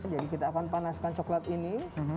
jadi kita akan panaskan coklat ini